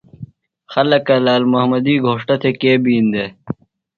خلکہ لال محمدی گھوݜٹہ تھےۡ کے بِین دےۡ؟